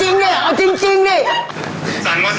เฮ้ยอย่าพูดรึมากสิ